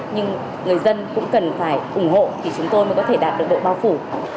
nhưng người dân cũng cần phải ủng hộ thì chúng tôi mới có thể đạt được độ bao phủ